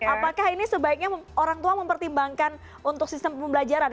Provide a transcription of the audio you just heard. apakah ini sebaiknya orang tua mempertimbangkan untuk sistem pembelajaran